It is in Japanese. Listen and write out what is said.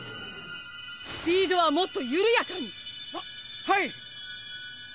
スピードはもっとゆるやかに！ははい！